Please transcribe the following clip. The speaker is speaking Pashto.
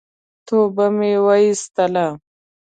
توبه مي واېستله !